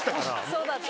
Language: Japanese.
そうだった。